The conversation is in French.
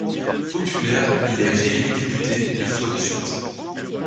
Populaire, il est réélu député huit fois de suite.